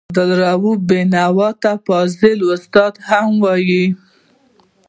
عبدالرؤف بېنوا ته فاضل استاد هم وايي.